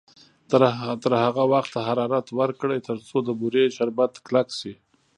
تر هغه وخته حرارت ورکړئ تر څو د بورې شربت کلک شي.